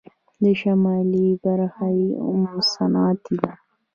شمالي برخه یې هم صنعتي ده.